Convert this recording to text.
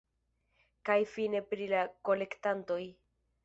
Kaj fine pri la kolektantoj.